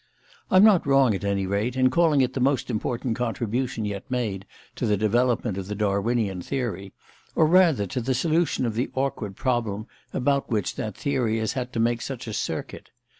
I'm not wrong, at any rate, in calling it the most important contribution yet made to the development of the Darwinian theory, or rather to the solution of the awkward problem about which that theory has had to make such a circuit.